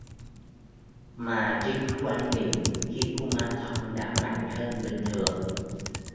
mà Trinh quan niệm khi Kumanthong đã mạnh hơn bình thường